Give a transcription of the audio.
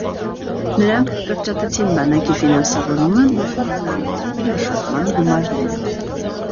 Նրանք կրճատեցին բանակի ֆինանսավորումը, նոր ռազմամթերքի մշակման գումարները։